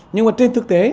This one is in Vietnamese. nhưng mà trên thực tế